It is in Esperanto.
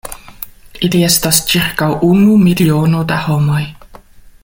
Ili estas ĉirkaŭ unu miliono da homoj.